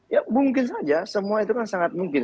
ya mungkin saja semua itu kan sangat mungkin